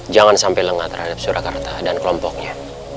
jangan sampai lengah terhadap surakarta dan kelompoknya